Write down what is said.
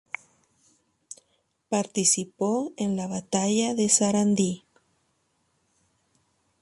Participó en la batalla de Sarandí.